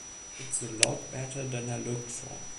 It's a lot better than I looked for.